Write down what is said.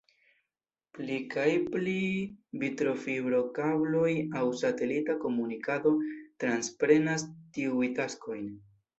Pli kaj pli vitrofibro-kabloj aŭ satelita komunikado transprenas tiuj taskojn.